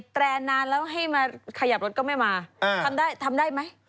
แตรนานแล้วให้มาขยับรถก็ไม่มาทำได้ทำได้ไหม